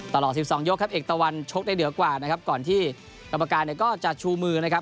ตลอด๑๒ยกครับเอกตะวันชกได้เหนือกว่านะครับก่อนที่กรรมการเนี่ยก็จะชูมือนะครับ